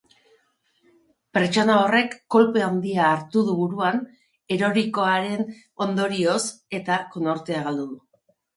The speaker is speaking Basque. Pertsona horrek kolpe handia hartu du buruan erorikoaren ondorioz eta konortea galdu du.